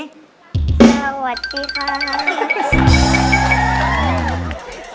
สวัสดีครับ